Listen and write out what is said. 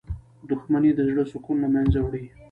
• دښمني د زړه سکون له منځه وړي.